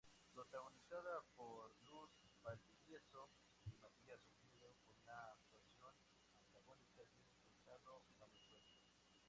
Protagonizada por Luz Valdivieso y Matías Oviedo, con la actuación antagónica de Gonzalo Valenzuela.